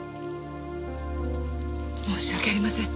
申し訳ありません。